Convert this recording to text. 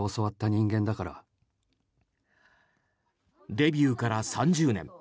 デビューから３０年。